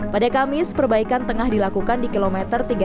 pada kamis perbaikan tengah dilakukan di km